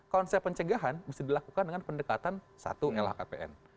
konsep pencegahan mesti dilakukan dengan pendekatan satu lhkpn